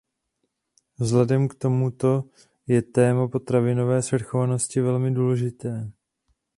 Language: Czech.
Vzhledem k tomuto je téma potravinové svrchovanosti velmi důležité.